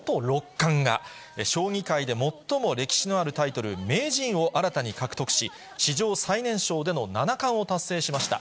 冠が、将棋界で最も歴史のあるタイトル、名人を新たに獲得し、史上最年少での七冠を達成しました。